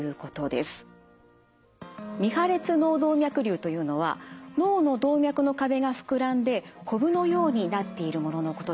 未破裂脳動脈瘤というのは脳の動脈の壁が膨らんでこぶのようになっているもののことです。